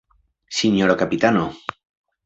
Sinjoro kapitano!